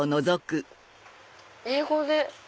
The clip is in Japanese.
英語で。